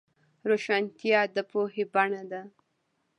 روښانتیا د پوهې بڼه ده.